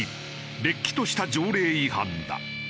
れっきとした条例違反だ。